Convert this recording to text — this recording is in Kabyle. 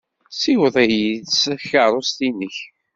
Ssiweḍ-iyi s tkeṛṛust-nnek.